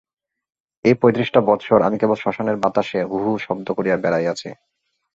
এই পঁয়ত্রিশটা বৎসর আমি কেবল শ্মশানের বাতাসে হুহু শব্দ করিয়া বেড়াইয়াছি।